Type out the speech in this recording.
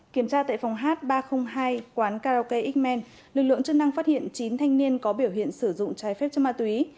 kiểm tra tại phòng h ba trăm linh hai quán karaoke x man lực lượng chức năng phát hiện chín thanh niên có biểu hiện sử dụng trái phép chất ma túy